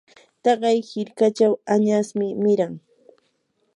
taqay hirkachaw añasmi miran.